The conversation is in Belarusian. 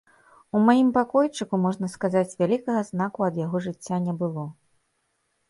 У маім пакойчыку, можна сказаць, вялікага знаку ад яго жыцця не было.